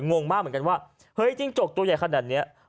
งงมากเหมือนกันว่าเฮ้ยจิ้งจกตัวใหญ่ขนาดนี้